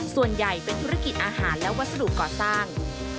ส่วนใหญ่เป็นธุรกิจอาหารและวัสดุก่อสร้าง